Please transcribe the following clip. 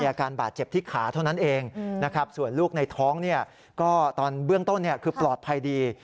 อาการบาดเจ็บที่ขาเท่านั้นเองนะครับส่วนลูกในท้องเนี่ยก็ตอนเบื้องต้นคือปลอดภัยดี